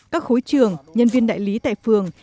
các khối trường nhân viên đại lý tại phường